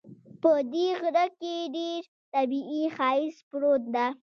په دې غره کې ډېر طبیعي ښایست پروت ده